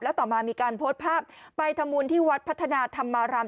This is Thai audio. แล้วต่อมามีการโพสต์ภาพไปธมูลที่วัดพัฒนาธรรมาราม